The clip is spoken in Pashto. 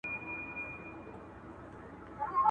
یوازي په خپل ځان به سې شهید او غازي دواړه.